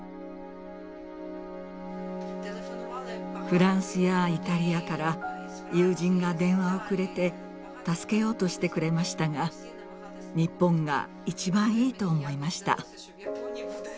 フランスやイタリアから友人が電話をくれて助けようとしてくれましたが日本が一番いいと思いました。